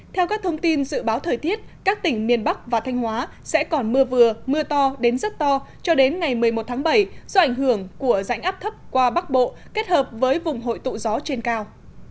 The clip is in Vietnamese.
theo các thông tin dự báo thời tiết các tỉnh miền bắc và thanh hóa sẽ còn mưa vừa mưa to đến rất to cho đến ngày một mươi một tháng bảy do ảnh hưởng của rãnh áp thấp qua bắc bộ kết hợp với vùng hội tụ gió trên cao